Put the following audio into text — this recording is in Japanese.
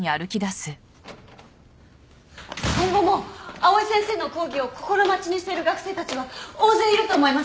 今後も藍井先生の講義を心待ちにしている学生たちは大勢いると思います。